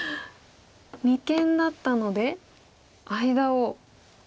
二間だったので間を。